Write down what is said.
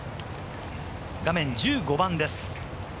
画面１５番です。